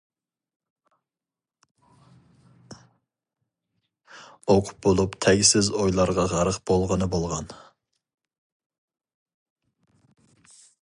ئوقۇپ بولۇپ تەگسىز ئويلارغا غەرق بولغىنى بولغان.